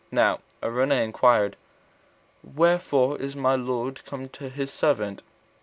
Now Araunah inquired, "Wherefore is my lord come to his servant?"